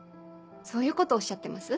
そういうことをおっしゃってます？